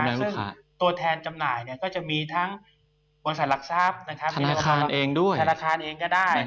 ซึ่งตัวแทนจำหน่ายก็จะมีทั้งบริษัทหลักทราบธนาคารเองก็ได้